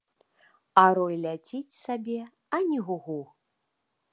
А рой ляціць сабе, ані гу-гу.